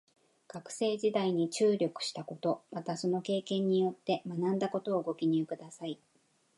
学生時代に注力したこと、またその経験によって学んだことをご記入ください。